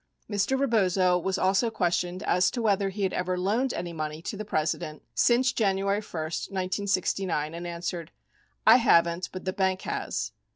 37 Mr. Rebozo was also questioned as to whether he had ever loaned any money to the President since January 1, 1969, and answered, "I haven't but the bank has.